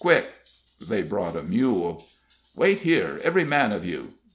quick!" They brought a mule. "Wait here, every man of you!"